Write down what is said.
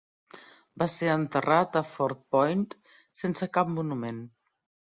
Va ser enterrat a Fort Point sense cap monument.